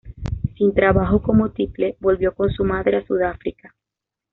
Sin trabajo como tiple, volvió con su madre a Sudáfrica.